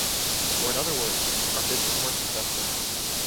Or in other words: are bitches more successful?